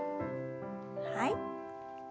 はい。